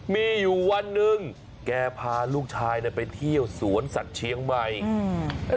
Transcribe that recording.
มีอยู่วันหนึ่งแกพาลูกชายเนี่ยไปเที่ยวสวนสัตว์เชียงใหม่อืม